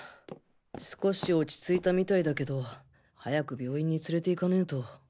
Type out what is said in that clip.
少し落ち着いたみたいだけど早く病院に連れていかねぇと。